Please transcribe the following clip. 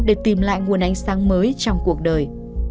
để tìm lại nguồn ánh sáng mới trong cuộc đời